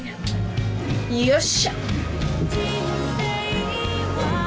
よっしゃ！